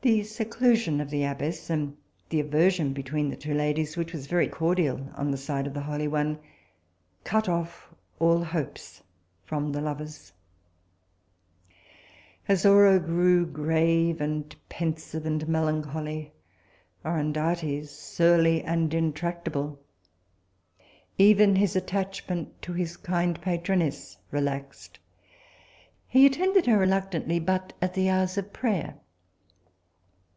The seclusion of the abbess, and the aversion between the two ladies, which was very cordial on the side of the holy one, cut off all hopes from the lovers. Azora grew grave and pensive and melancholy; Orondates surly and intractable. Even his attachment to his kind patroness relaxed. He attended her reluctantly but at the hours of prayer.